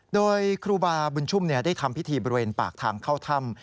โดยครูบาบุญชุ่มได้ทำพิธีบริเวณปากทางเข้าถ้ำ